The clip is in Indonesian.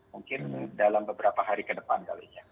mungkin dalam beberapa hari ke depan kalau ingin